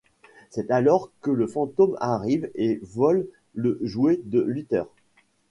C'est alors que le fantôme arrive et vole le jouet de Luther.